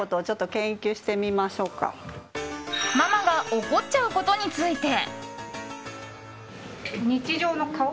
ママが怒っちゃうことについて。